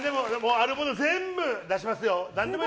あるもの全部出しますよ。